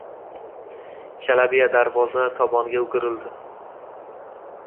Shalabiya darvoza tomonga o`girildi